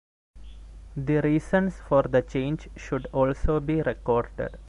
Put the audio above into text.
The reasons for the change should also be recorded.